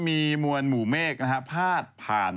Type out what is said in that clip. มีมวลหมู่เมฆพาดผ่าน